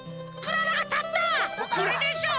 これでしょ！